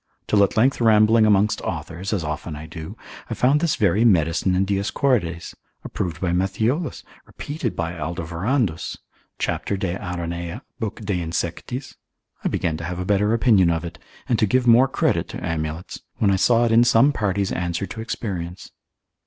till at length rambling amongst authors (as often I do) I found this very medicine in Dioscorides, approved by Matthiolus, repeated by Alderovandus, cap. de Aranea, lib. de insectis, I began to have a better opinion of it, and to give more credit to amulets, when I saw it in some parties answer to experience.